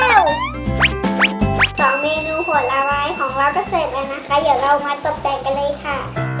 สอนเมนูหัวละวายของเราก็เสร็จแล้วนะคะเดี๋ยวเรามาจบแต่งกันเลยค่ะ